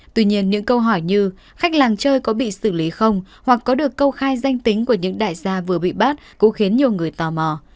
tuy nhiên những câu hỏi như khách làng chơi có bị xử lý không hoặc có được công khai danh tính của những đại gia vừa bị bắt cũng khiến nhiều người tò mò